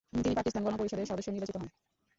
তিনি পাকিস্তান গণপরিষদের সদস্য নির্বাচিত হন।